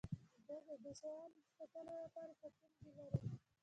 دوی د دې شیانو د ساتلو لپاره ساتونکي لري